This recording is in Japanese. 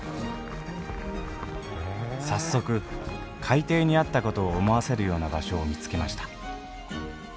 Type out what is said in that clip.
早速海底にあった事を思わせるような場所を見つけました